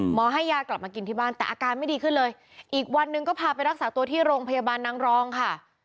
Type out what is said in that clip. ให้ยากลับมากินที่บ้านแต่อาการไม่ดีขึ้นเลยอีกวันหนึ่งก็พาไปรักษาตัวที่โรงพยาบาลนางรองค่ะ